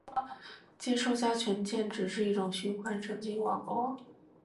接收加权键值是一种循环神经网络